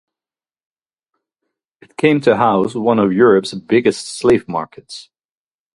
It came to house one of Europe's biggest slave markets.